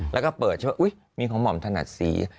แล้วก็เปิดใช่ไหมอุ๊ยมีของหม่อมถนัดศรี